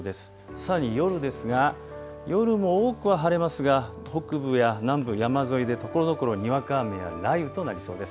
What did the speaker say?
さらに夜ですが夜も多くは晴れますが北部や南部、山沿いでところどころ、にわか雨や雷雨となりそうです。